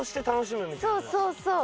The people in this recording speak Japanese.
そうそうそう。